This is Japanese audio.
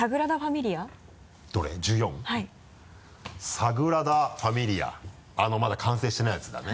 「サグラダファミリア」あのまだ完成してないやつだね。